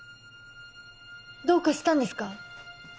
どうかしたんですか？